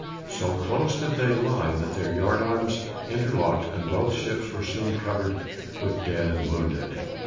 So close did they lie that their yardarms interlocked and both ships were soon covered with dead and wounded.